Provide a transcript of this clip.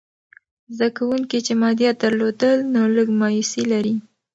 زده کوونکي چې مادیات درلودل، نو لږ مایوسې لري.